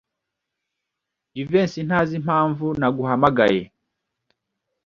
Jivency ntazi impamvu naguhamagaye.